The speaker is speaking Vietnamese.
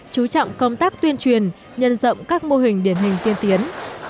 chú trọng công tác tuyên truyền nhân rộng các mô hình điển hình tiên tiến